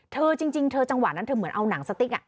จริงเธอจังหวะนั้นเธอเหมือนเอาหนังสติ๊ก